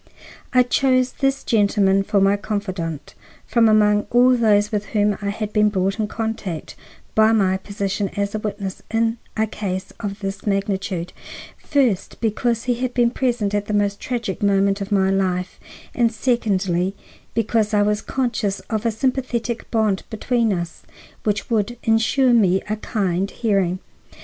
I chose this gentleman for my confidant, from among all those with whom I had been brought in contact by my position as witness in a case of this magnitude, first, because he had been present at the most tragic moment of my life, and secondly, because I was conscious of a sympathetic bond between us which would insure me a kind hearing.